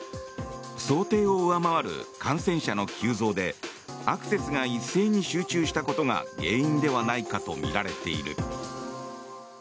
想定を上回る感染者の急増でアクセスが一斉に集中したことが原因ではないかとみられている。